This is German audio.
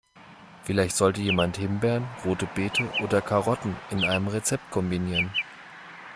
Vielleicht sollte jemand Himbeeren, Rote Beete oder Karotten in einem Rezept kombinieren.